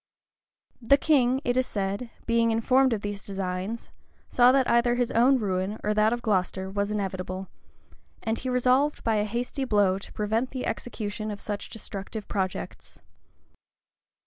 The king, it is said, being informed of these designs, saw that either his own ruin, or that of Glocester, was inevitable; and he resolved by a hasty blow to prevent the execution of such destructive projects.